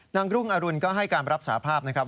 รุ่งอรุณก็ให้การรับสาภาพนะครับ